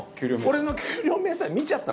俺の給料明細見ちゃった。